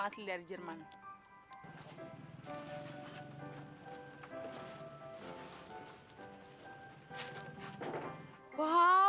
dasar bule ketek lu nih